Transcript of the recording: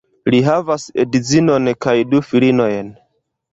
Li havas edzinon kaj du filinojn.